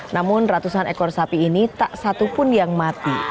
namun ratusan ekor sapi ini tak satupun yang mati